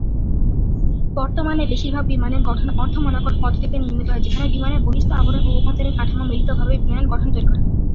বর্তমানে বেশিরভাগ বিমানের গঠন অর্ধ-মনাকক পদ্ধতিতে নির্মিত হয়, যেখানে বিমানের বহিঃস্থ আবরণ ও অভ্যন্তরীণ কাঠামো মিলিতভাবে বিমানের গঠন তৈরী করে।